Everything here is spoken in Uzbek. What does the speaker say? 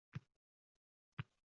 Men oddiy ishchi-dehqon farzandiman.